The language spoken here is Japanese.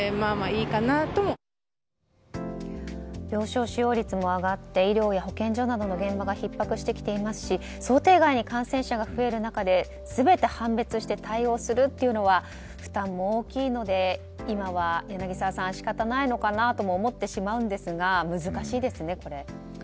病床使用率も上がって医療や保健所などの現場がひっ迫してきていますし想定外に感染者が増える中で全て判別して対応するというのは負担も大きいので今は柳澤さん仕方ないのかなとも思ってしまうんですが難しいですね、これ。